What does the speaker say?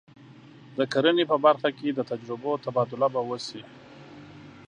د کرنې په برخه کې د تجربو تبادله به وشي.